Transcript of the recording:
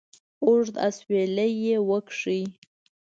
اوږد اسویلی یې وکېښ.